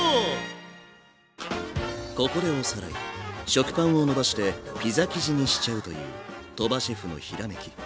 食パンをのばしてピザ生地にしちゃうという鳥羽シェフのひらめき。